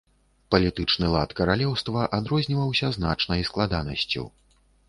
Палітычны лад каралеўства адрозніваўся значнай складанасцю.